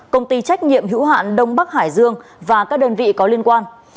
công ty trách nhiệm hữu hạn đông bắc hải dương và các đơn vị có liên quan